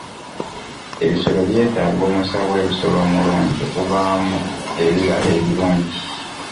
Ebisolo byetaaga omusawo w'ebisolo omulungi okuvaamu ebibala ebirungi.